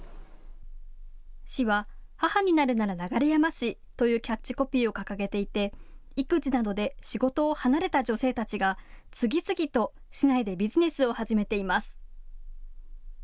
市は、母になるなら流山市というキャッチコピーを掲げていて育児などで仕事を離れた女性たちが次々と市内でビジネスを始めています。